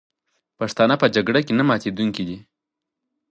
پښتانه په جګړه کې نه ماتېدونکي دي.